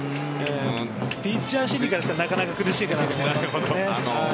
ピッチャー心理からしたらなかなか苦しいかなと思います。